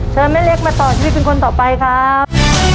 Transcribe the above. แม่เล็กมาต่อชีวิตเป็นคนต่อไปครับ